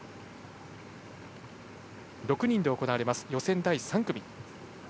６人で行われます予選第３組。